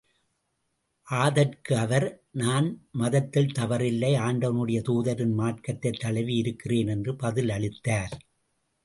ஆதற்கு அவர், நான் மதத்தில் தவறவில்லை ஆண்டவனுடைய தூதரின் மார்க்கத்தைத் தழுவி இருக்கிறேன் என்று பதில் அளித்தார்.